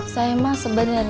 saya mak sebenarnya